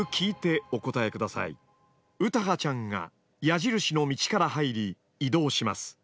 詩羽ちゃんが矢印の道から入り移動します。